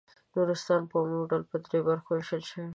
نورستان په عمومي ډول په دریو برخو وېشل کیږي.